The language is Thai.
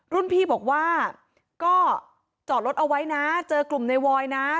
รุ่นพี่บอกว่าก็จอดรถเอาไว้นะเจอกลุ่มในวอยนะ